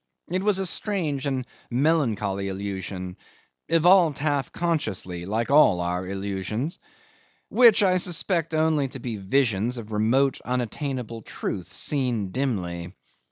It was a strange and melancholy illusion, evolved half consciously like all our illusions, which I suspect only to be visions of remote unattainable truth, seen dimly.